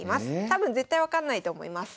多分絶対分かんないと思います。